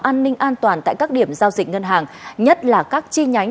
an ninh an toàn tại các điểm giao dịch ngân hàng nhất là các chi nhánh